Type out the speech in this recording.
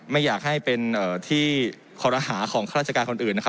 ไม่อยากให้เป็นเอ่อที่คอรหาของค่าราชการคนอื่นนะครับ